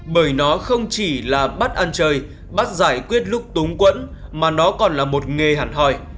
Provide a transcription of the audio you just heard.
bởi nó không chỉ là bắt ăn chơi bắt giải quyết lúc túng quẫn mà nó còn là một nghề hẳn hòi